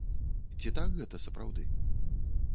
Ці так гэта сапраўды?